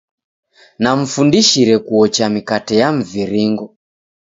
Namfundishire kuocha mikate ya mviringo.